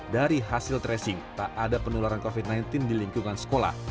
dari hasil tracing tak ada penularan covid sembilan belas di lingkungan sekolah